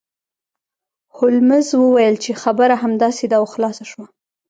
هولمز وویل چې خبره همداسې ده او خلاصه شوه